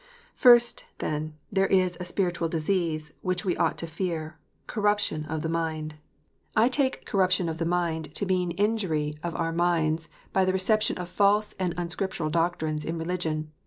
I. First, then, there is a spiritual disease, which we ought to fear :" Corruption of mind." APOSTOLIC PEAKS. 387 I take " corruption of mind " to mean injury of our minds by the reception of false and unscriptural doctrines in religion.